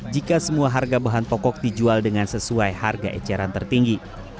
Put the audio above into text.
jika semua harga bahan pokok dijual dengan sesuai harga eceran tertinggi